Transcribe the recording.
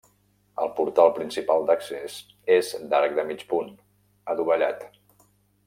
El portal principal d'accés és d'arc de mig punt, adovellat.